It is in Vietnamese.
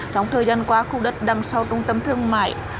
trong thời gian qua khu đất nằm sau trung tâm thương mại